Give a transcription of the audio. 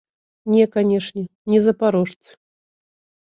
Не, канешне, не запарожцы.